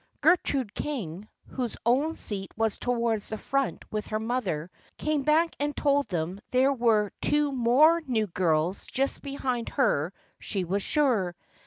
Gertrude King, whose own seat was towards the front with her mother, came back and told them that there were two more new girls just behind her she was sure.